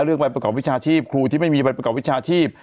เรื่องบริประกอบวิชาชีพครูที่ไม่มีบริประกอบวิชาชีพ